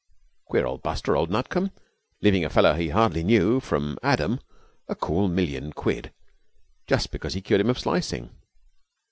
Queer old buster, old Nutcombe, leaving a fellow he hardly knew from Adam a cool million quid just because he cured him of slicing.